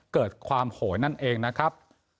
เกิดความโหยนั่นเองนะครับ